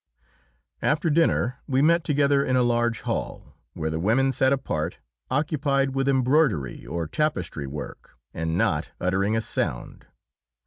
After dinner we met together in a large hall, where the women sat apart, occupied with embroidery or tapestry work, and not uttering a sound.